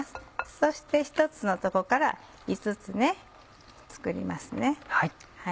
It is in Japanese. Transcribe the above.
そして一つのとこから５つ作ります。